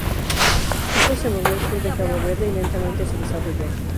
Esto se movió al sur de Cabo Verde y lentamente se desarrolló.